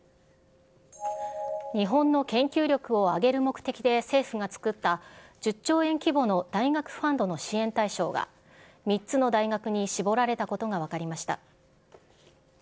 日本の研究力を上げる目的で政府が作った、１０兆円規模の大学ファンドの支援対象が３つの大学に絞られたことが分かりました。